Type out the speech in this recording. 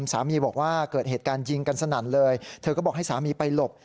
สามีบอกว่าเกิดเหตุการณ์ยิงกันสนั่นเลยเธอก็บอกให้สามีไปหลบ